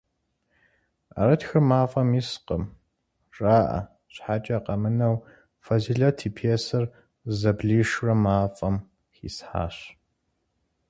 «ӏэрытхыр мафӏэм искъырым», жаӏэ щхьэкӏэ къэмынэу, Фэзилэт и пьесэр зызэблишурэ мафӏэм хисхьащ.